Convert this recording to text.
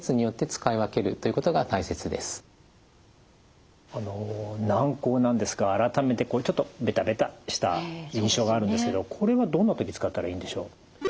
つまり軟こうなんですが改めてちょっとベタベタした印象があるんですけどこれはどんな時使ったらいいんでしょう？